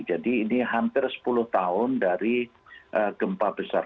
jadi ini hampir sepuluh tahun dari gempa besar